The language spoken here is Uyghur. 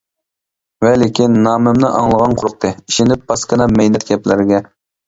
ۋە لېكىن نامىمنى ئاڭلىغان قورقتى، ئىشىنىپ پاسكىنا، مەينەت گەپلەرگە.